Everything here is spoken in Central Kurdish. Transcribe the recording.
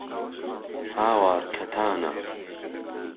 هاوار کهتانه